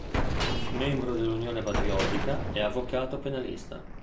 Membro dell'Unione Patriottica, è avvocato penalista.